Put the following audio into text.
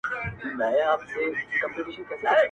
چي د حق ناره کړي پورته له ممبره,